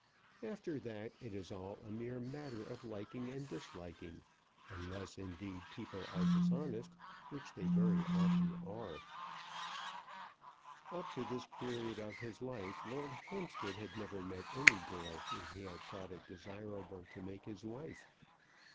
After that it is all a mere matter of liking and disliking unless, indeed, people are dishonest, which they very often are." Up to this period of his life Lord Hampstead had never met any girl whom he had thought it desirable to make his wife.